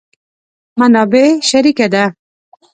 منابع شریکه ده.